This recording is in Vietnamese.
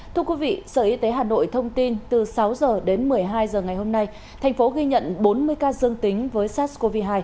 thưa quý vị sở y tế hà nội thông tin từ sáu h đến một mươi hai h ngày hôm nay thành phố ghi nhận bốn mươi ca dương tính với sars cov hai